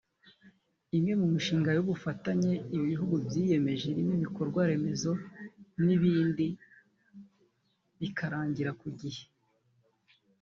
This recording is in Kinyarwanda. imwe mu mishinga y’ubufatanye ibi bihugu byiyemeje irimo ibikorwa remezo n’ibindi bikarangira ku gihe